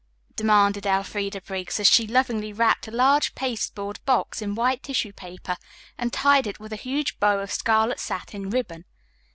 demanded Elfreda Briggs as she lovingly wrapped a large pasteboard box in white tissue paper and tied it with a huge bow of scarlet satin ribbon.